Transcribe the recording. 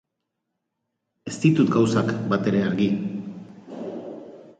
Ez ditut gauzak batere argi.